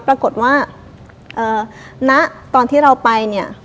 ปรากฏว่าณตอนที่เราไปเนี่ย